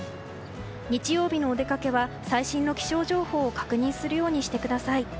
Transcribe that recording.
日曜日のお出掛けは最新の気象情報を確認するようにしてください。